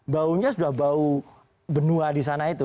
baunya sudah bau benua di sana itu